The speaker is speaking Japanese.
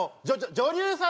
女流さん！